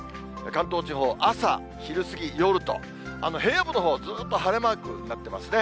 関東地方、朝、昼過ぎ、夜と、平野部のほうはずっと晴れマークになってますね。